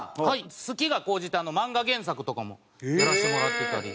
好きが高じて漫画原作とかもやらせてもらってたり。